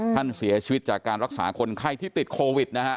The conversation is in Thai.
ท่านเสียชีวิตจากการรักษาคนไข้ที่ติดโควิดนะฮะ